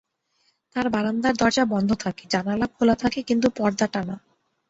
তার বারান্দার দরজা বন্ধ থাকে, জানালা খোলা থাকে কিন্তু পর্দা টানা।